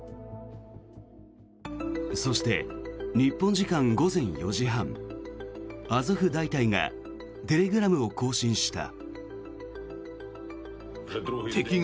そして、日本時間午前４時半アゾフ大隊がテレグラムを更新した。